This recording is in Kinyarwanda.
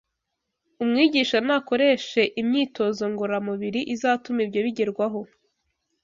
Umwigisha nakoreshe imyitozo ngororamubiri izatuma ibyo bigerwaho,